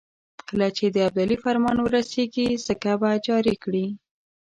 کله چې د ابدالي فرمان ورسېږي سکه به جاري کړي.